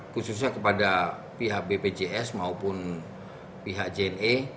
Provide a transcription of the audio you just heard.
khususnya kepada pihak bpjs maupun pihak jne